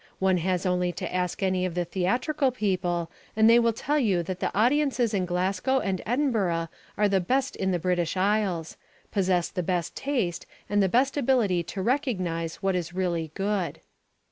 One has only to ask any of the theatrical people and they will tell you that the audiences in Glasgow and Edinburgh are the best in the British Isles possess the best taste and the best ability to recognise what is really good.